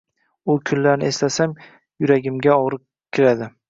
U kunlarni eslasam, yuragimga og`riq kiradi